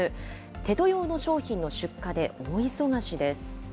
テト用の商品の出荷で大忙しです。